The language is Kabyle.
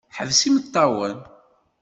Ḥbes imeṭṭawen!